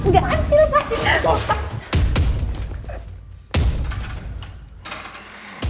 gak ada sih lepasin lepasin